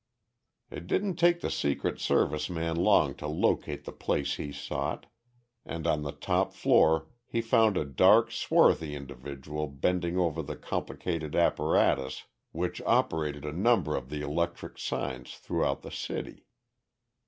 It didn't take the Secret Service man long to locate the place he sought, and on the top floor he found a dark, swarthy individual bending over the complicated apparatus which operated a number of the electric signs throughout the city.